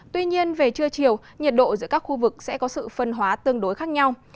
tuy nhiên về trưa chiều nhiệt độ giữa các khu vực sẽ có sự phân hóa tương đối khác nhau